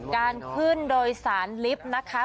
การขึ้นโดยสารลิฟต์นะคะ